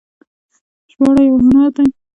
ژباړه یو هنر دی